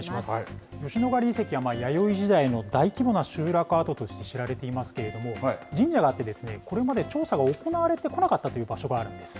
吉野ヶ里遺跡は弥生時代の大規模な集落跡として知られていますけれども、神社があって、これまで調査が行われてこなかったという場所があるんです。